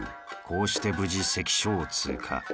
こうして無事関所を通過